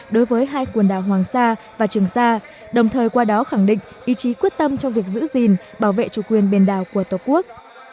đối với hai quần đảo hoàng sa và trường sa đồng thời qua đó khẳng định ý chí quyết tâm trong việc giữ gìn bảo vệ chủ quyền biển đảo của tổ quốc